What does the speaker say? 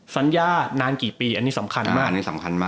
สัญญานานกี่ปีอันนี้สำคัญมาก